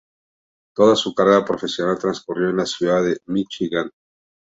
Toda su carrera profesional transcurrió en la ciudad de Míchigan.